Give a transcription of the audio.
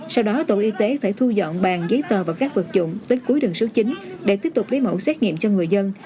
sau đó tổ y tế phải thu dọn bàn giấy tờ và các vật dụng tết cuối đường số chín để tiếp tục lấy mẫu xét nghiệm cho người dân